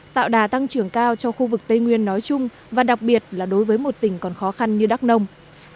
tạo đà tăng trưởng cao cho khu vực tây nguyên nói chung và đặc biệt là đối với một tỉnh còn khó khăn như đắk nông